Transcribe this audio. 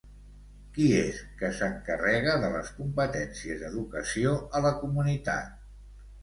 Qui és que s'encarrega de les competències d'educació a la comunitat?